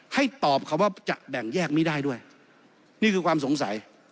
ให้ตอบคำว่าจะแบ่งแยกไม่ได้ด้วยนี่คือความสงสัย